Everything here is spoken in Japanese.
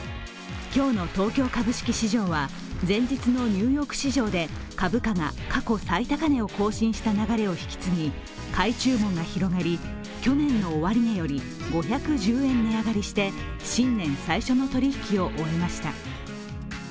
今日の東京株式市場は、前日のニューヨーク市場で株価が過去最高値を更新した流れを引き継ぎ買い注文が広がり、去年の終値より５１０円値上がりして新年最初の取引を終えました。